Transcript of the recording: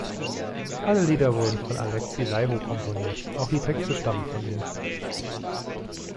Alle Lieder wurden von Alexi Laiho komponiert, auch die Texte stammen von ihm.